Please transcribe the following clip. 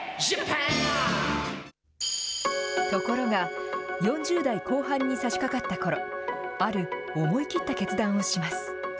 ところが、４０代後半にさしかかったころ、ある思い切った決断をします。